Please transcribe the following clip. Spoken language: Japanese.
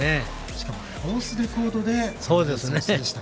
しかもコースレコードでゴールでした。